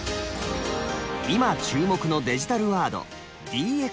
今注目のデジタルワード「ＤＸ」。